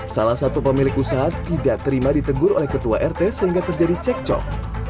salah satu pemilik usaha tidak terima ditegur oleh ketua rt sehingga terjadi cekcok